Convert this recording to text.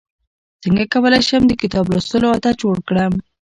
څنګه کولی شم د کتاب لوستلو عادت جوړ کړم